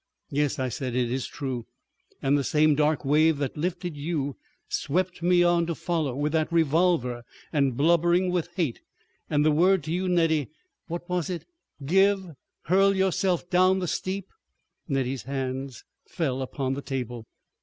"Yes," I said; "it is true. And the same dark wave that lifted you, swept me on to follow. With that revolver—and blubbering with hate. And the word to you, Nettie, what was it? 'Give?' Hurl yourself down the steep?" Nettie's hands fell upon the table.